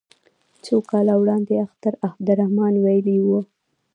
څو کاله وړاندې اختر عبدالرحمن ویلي وو.